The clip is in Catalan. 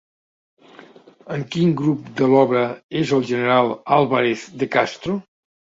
En quin grup de l'obra és el general Álvarez de Castro?